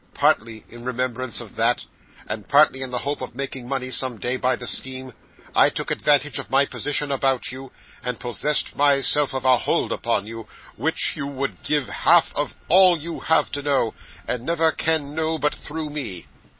Partly in remembrance of that, and partly in the hope of making money someday by the scheme, I took advantage of my position about you, and possessed myself of a hold upon you, which you would give half of all you have to know, and never can know but through me.